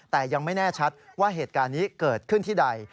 แต่ยังไม่แน่ชัดว่าเหตุการณ์นี้เกิดขึ้นที่ใด